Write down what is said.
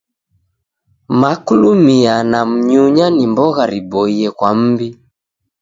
Maklumia na mnyunya ni mbogha riboie kwa m'mbi.